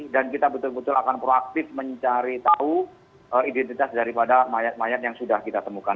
dan kita betul betul akan proaktif mencari tahu identitas daripada mayat mayat yang sudah kita temukan